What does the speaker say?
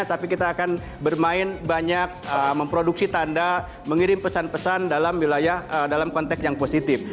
tapi kita akan bermain banyak memproduksi tanda mengirim pesan pesan dalam konteks yang positif